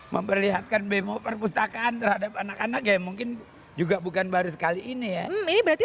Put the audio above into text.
memperlihatkan bemo perpustakaan terhadap anak anak ya mungkin juga bukan baru sekali ini ya ini berarti